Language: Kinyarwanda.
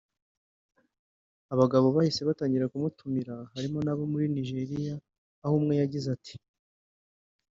Abagabo bahise batangira kumutumira harimo abo muri Nigeria aho umwe yagize ati